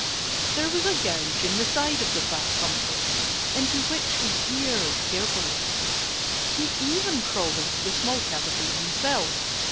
There was a gouge in the side of the fat pumpkin, into which he peered carefully. He even crawled into the small cavity himself.